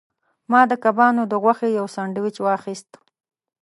ما د کبانو د غوښې یو سانډویچ واخیست.